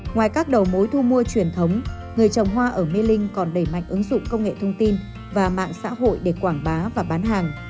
ngoài các đầu mối thu mua truyền thống người trồng hoa ở mê linh còn đẩy mạnh ứng dụng công nghệ thông tin và mạng xã hội để quảng bá và bán hàng